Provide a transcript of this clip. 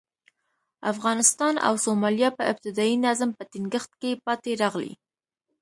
افغانستان او سومالیا په ابتدايي نظم په ټینګښت کې پاتې راغلي.